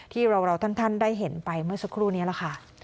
ที่เราท่านได้เห็นไปเมื่อสักครู่นี้แหละค่ะ